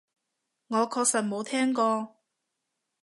我確實冇聽過